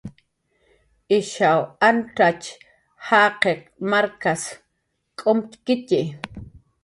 Ishaw antzatx jaqiq markas k'umtxarqayki